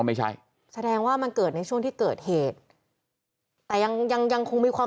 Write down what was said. ไม่ใช่แสดงว่ามันเกิดในช่วงที่เกิดเหตุแต่ยังยังยังคงมีความ